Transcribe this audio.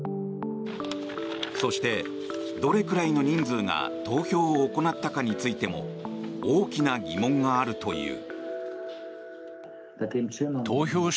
そして、どれくらいの人数が投票を行ったかについても大きな疑問があるという。